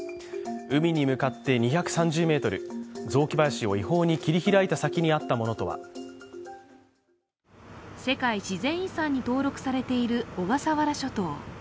海に向かって２３０ｍ、雑木林を違法に切り開いた先にあったものとは世界自然遺産に登録されている小笠原諸島。